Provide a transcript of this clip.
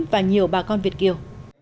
và nhiều bà con việt kiều